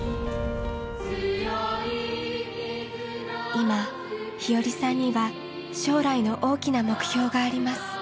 今日和さんには将来の大きな目標があります。